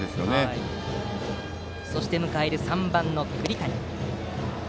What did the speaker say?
そして迎えるは３番、栗谷。